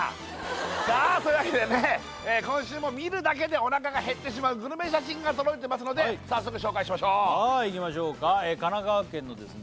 さあというわけでね今週も見るだけでお腹が減ってしまうグルメ写真が届いてますので早速紹介しましょうはいいきましょうか神奈川県のですね